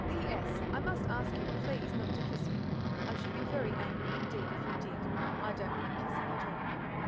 "P.S. I must ask you, please, not to kiss me. I should be very angry indeed if you did. I don't like kissing at all."